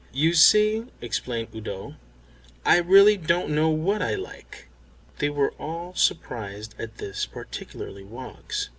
"You see," explained Udo, "I really don't know what I like." They were all surprised at this, particularly Woggs.